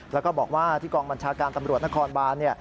แล้วก็บอกว่าที่กองบัญชาการตำรวจนครบาน